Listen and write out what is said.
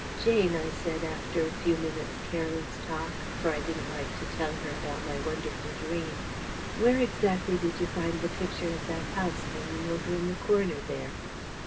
"Jane," I said after a few minutes' careless talk for I didn't like to tell her about my wonderful dream, "where exactly did you find the picture of that house hanging over in the corner there?"